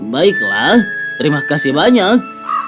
baiklah terima kasih banyak